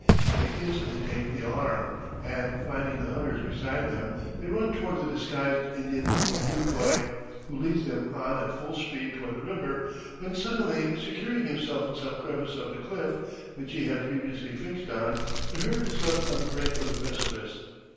They instantly take the alarm, and finding the hunters beside them they run toward the disguised Indian or decoy, who leads them on at full speed toward the river, when suddenly securing himself in some crevice of the cliff, which he had previously fixed on, the herd is left on the brink of the precipice.